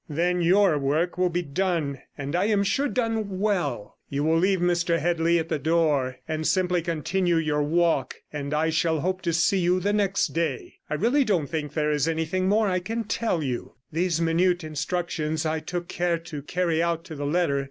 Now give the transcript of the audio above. Then your work will be done, and I am sure done well. You will leave Mr Headley at the door, and simply continue your walk, and I shall hope to see you the next day. I really don't think there is anything more I can tell you.' These minute instructions I took care to carry out to the letter.